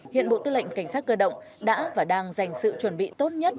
hiện bộ tư lệnh cảnh sát cơ động đã và đang dành sự chuẩn bị tốt nhất